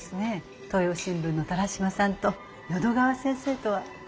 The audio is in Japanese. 東洋新聞の田良島さんと淀川先生とは。